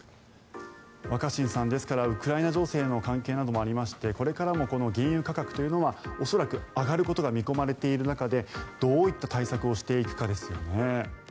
若新さん、ですからウクライナ情勢の関係などもありましてこれからも原油価格というのは恐らく上がることが見込まれている中でどういった対策をしていくかですよね。